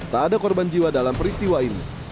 tak ada korban jiwa dalam peristiwa ini